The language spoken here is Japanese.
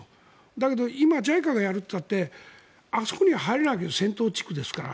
だけど、今ＪＩＣＡがやると言ってもあそこには入れない戦闘地区ですから。